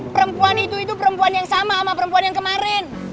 perempuan itu itu perempuan yang sama sama perempuan yang kemarin